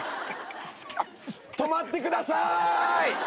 止まってください！